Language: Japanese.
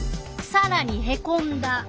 さらにへこんだ。